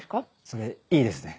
それいいですね